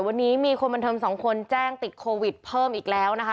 วันนี้มีคนบันเทิงสองคนแจ้งติดโควิดเพิ่มอีกแล้วนะคะ